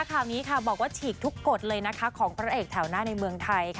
ข่าวนี้ค่ะบอกว่าฉีกทุกกฎเลยนะคะของพระเอกแถวหน้าในเมืองไทย